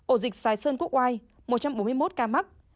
ổ dịch xài sơn quốc oai một trăm bốn mươi một ca mắc